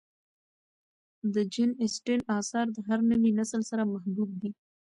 د جین اسټن آثار د هر نوي نسل سره محبوب دي.